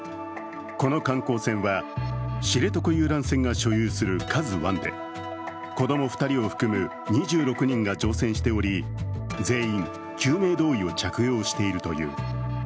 この観光船は、知床遊覧船が所有する「ＫＡＺＵⅠ」で子供２人を含む２６人が乗船しており全員、救命胴衣を着用しているという。